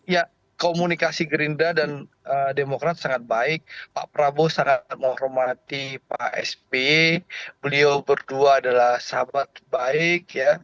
ya komunikasi gerindra dan demokrat sangat baik pak prabowo sangat menghormati pak sp beliau berdua adalah sahabat baik